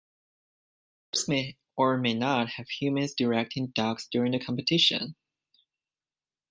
Sports may or may not have humans directing dogs during the competition.